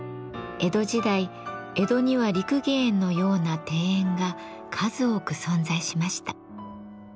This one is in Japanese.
江戸時代江戸には六義園のような庭園が数多く存在しました。